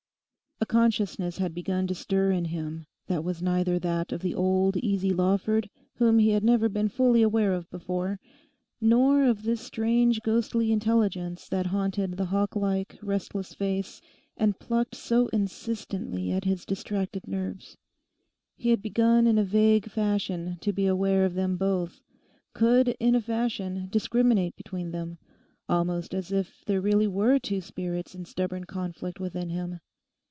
A consciousness had begun to stir in him that was neither that of the old, easy Lawford, whom he had never been fully aware of before, nor of this strange ghostly intelligence that haunted the hawklike, restless face, and plucked so insistently at his distracted nerves. He had begun in a vague fashion to be aware of them both, could in a fashion discriminate between them, almost as if there really were two spirits in stubborn conflict within him.